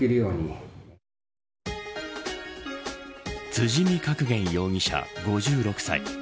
辻見覚彦容疑者、５６歳。